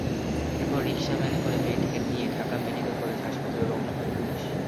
এরপর রিকশাভ্যানে করে মেয়েটিকে নিয়ে ঢাকা মেডিকেল কলেজ হাসপাতালে রওনা হয় পুলিশ।